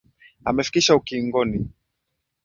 Amefikisha ukingoni